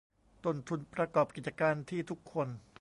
ต้นทุนประกอบกิจการที่ทุกคน